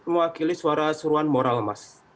mewakili suara seruan moral mas